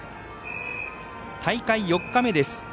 大会４日目です。